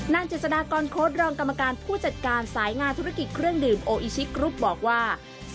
เจษฎากรโค้ดรองกรรมการผู้จัดการสายงานธุรกิจเครื่องดื่มโออิชิกรุ๊ปบอกว่า